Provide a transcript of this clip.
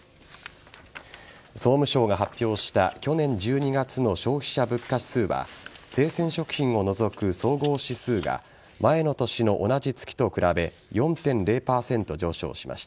総務省が発表した去年１２月の消費者物価指数は生鮮食品を除く総合指数が前の年の同じ月と比べ４．０％上昇しました。